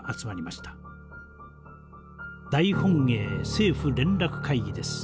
大本営政府連絡会議です。